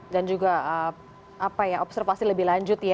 dan juga observasi lebih lanjut ya